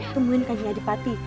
temuin kajiannya di pati